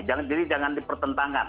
jadi jangan dipertentangkan